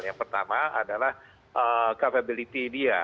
yang pertama adalah capability dia